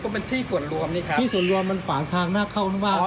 ก็เป็นที่ส่วนรวมนี่ครับที่ส่วนรวมมันฝากทางหน้าเข้าหน้าบ้าน